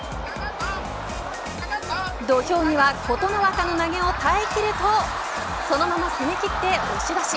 土俵際、琴ノ若の投げを耐えきるとそのまま攻めきって押し出し。